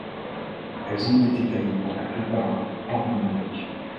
Elles ont été taillées pour la plupart hors d’un bloc.